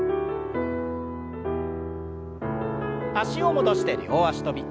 脚を戻して両脚跳び。